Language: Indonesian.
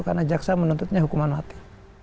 karena jaksa menuntutnya hukuman mati